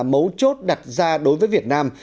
mấu chốt đặt ra đối với việt nam